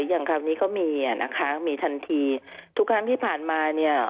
อย่างคราวนี้ก็มีอ่ะนะคะมีทันทีทุกครั้งที่ผ่านมาเนี่ย